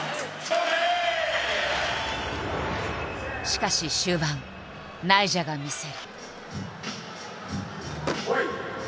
しかし終盤ナイジャが見せる。